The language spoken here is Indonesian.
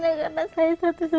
udah punya sakit sakit itu